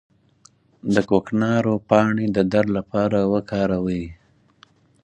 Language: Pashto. د کوکنارو پاڼې د درد لپاره وکاروئ